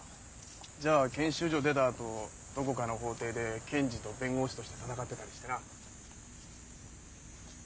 じゃあ研修所出たあとどこかの法廷で検事と弁護士として闘ってたりしてな。